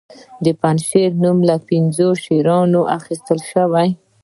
د پنجشیر نوم له پنځو شیرانو اخیستل شوی